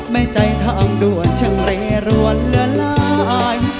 ไม่ใจทางด่วนช่างเรรวนเหลือลาย